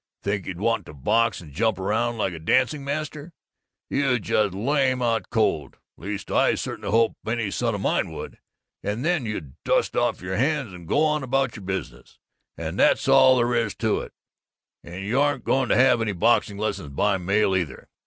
Think you'd want to box and jump around like a dancing master? You'd just lay him out cold (at least I certainly hope any son of mine would!) and then you'd dust off your hands and go on about your business, and that's all there is to it, and you aren't going to have any boxing lessons by mail, either!"